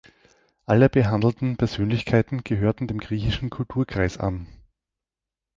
Alle behandelten Persönlichkeiten gehörten dem griechischen Kulturkreis an.